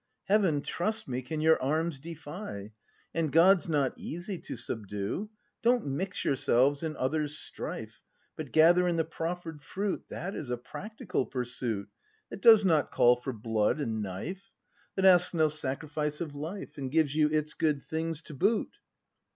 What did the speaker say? Heaven, trust me, can your arms defy. And God's not easy to subdue. Don't mix yourselves in others' strife. But gather in the proffer'd fruit. That is a practical pursuit. That does not call for blood and knife; That asks no sacrifice of life. And gives you its good things to boot!